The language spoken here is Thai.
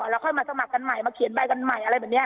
แล้วค่อยมาสมัครกันใหม่มาเขียนใบกันใหม่อะไรแบบนี้